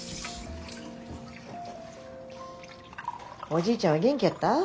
おじいちゃんは元気やった？